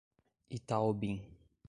Itaobim